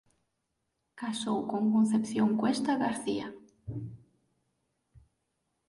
Casou con Concepción Cuesta García.